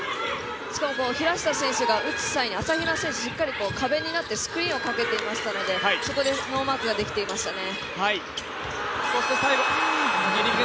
平下選手が打つ際に朝比奈選手が壁になって、スクリーンをかけていましたので、そこでノーマークができていましたね。